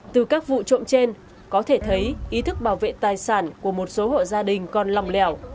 từ các vụ trộm trên có thể thấy ý thức bảo vệ tài sản của một số hộ gia đình còn lòng lẻo